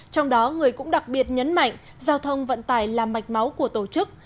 trong đó người cũng đặc biệt nhấn mạnh giao thông vận tải là mạch máu của tổ chức